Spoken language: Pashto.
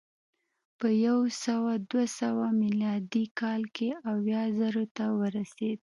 په یو سوه دوه سوه میلادي کال کې اویا زرو ته ورسېد